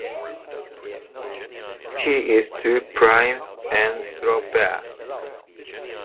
He is too prim and proper.